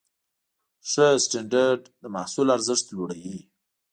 ښه سټنډرډ د محصول ارزښت لوړوي.